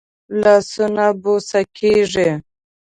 لاسونه بوسه کېږي